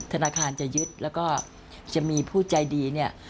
ธนาคารจะยึดแล้วก็จะมีผู้ใจดีเนี่ย